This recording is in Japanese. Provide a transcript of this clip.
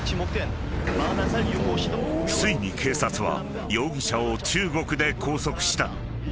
［ついに警察は容疑者を中国で拘束した］